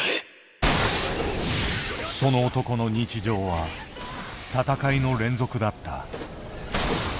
その男の日常は戦いの連続だった。